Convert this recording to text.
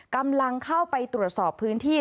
กำลังเข้าไปตรวจสอบพื้นที่